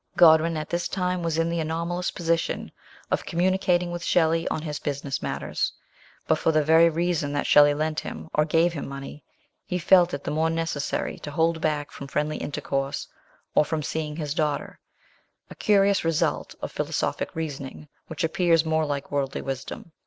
Godwin at this time was in the anomalous position of communicating with Shelley on his business matters; but for the very reason that Shelley lent him, or gave him, money, he felt it the more neces sary to hold back from friendly intercourse, or from seeing his daughter a curious result of philosophic reasoning, which appears more like worldly wisdom.